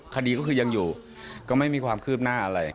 คดีก็คือยังอยู่ก็ไม่มีความคืบหน้าอะไร